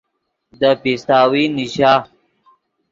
دے پیستاوی نیشا